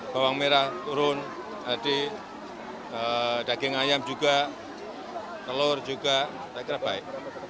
bawang merah turun tadi daging ayam juga telur juga saya kira baik